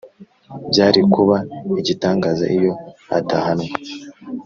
byari kuba igitangaza iyo adahanwa;